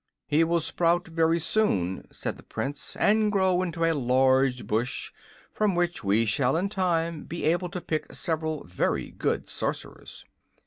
"He will sprout very soon," said the Prince, "and grow into a large bush, from which we shall in time be able to pick several very good sorcerers."